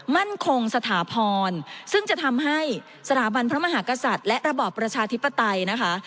มั่นคงสถาพรซึ่งจะทำให้สถาบันพระมหากษัตริย์และระบอบประชาธิปไตยนะคะ